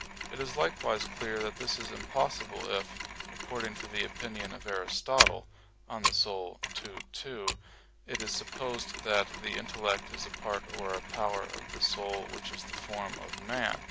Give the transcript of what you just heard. It is likewise clear that this is impossible if, according to the opinion of Aristotle (De Anima ii, 2), it is supposed that the intellect is a part or a power of the soul which is the form of man.